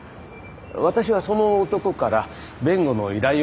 私はその男から弁護の依頼を受けておりまして。